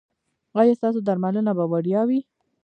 ایا ستاسو درملنه به وړیا وي؟